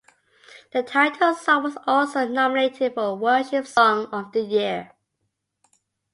The title song was also nominated for Worship Song of the Year.